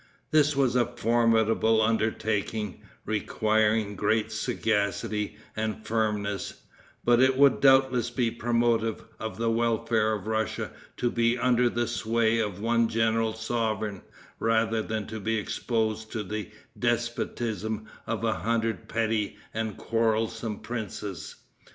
This was a formidable undertaking, requiring great sagacity and firmness, but it would doubtless be promotive of the welfare of Russia to be under the sway of one general sovereign, rather than to be exposed to the despotism of a hundred petty and quarrelsome princes.